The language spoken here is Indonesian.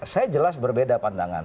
saya jelas berbeda pandangan